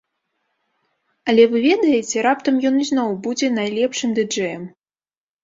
Але вы ведаеце, раптам ён ізноў будзе найлепшым ды-джэем?